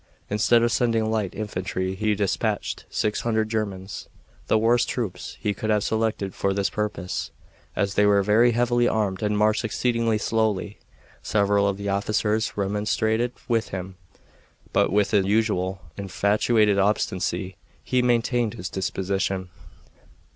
Instead of sending light infantry he dispatched six hundred Germans the worst troops he could have selected for this purpose, as they were very heavily armed and marched exceedingly slowly. Several of the officers remonstrated with him, but with his usual infatuated obstinacy he maintained his disposition.